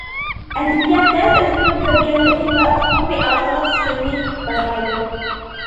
ئەدەبىيات دەل ئۆزىنىڭ كۆرگەنلىرى ۋە ئۇسلۇبى ئارقىلىق« سىرنى بايقايدۇ».